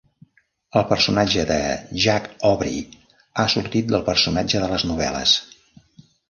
El personatge de Jack Aubrey ha sortit del personatge de les novel·les.